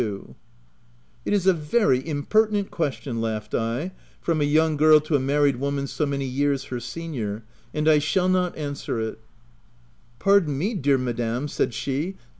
u It is a very impertinent question," laughed I, Ci from a young girl to a married woman so many years her senior — and I shall not answer it/" " Pardon me, dear madam" said she, laugh OP WIL.